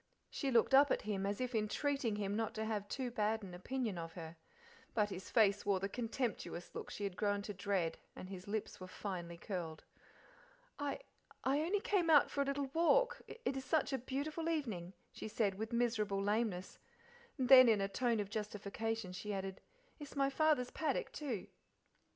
She looked up, at him as if entreating him not to have too bad an opinion of her; but his face wore the contemptuous look she had grown to dread and his lips were finely curled. "I I only came out for a little walk; it is such a beautiful evening," she said, with miserable lameness; and then in a tone of justification she added, "it's my father's paddock, too."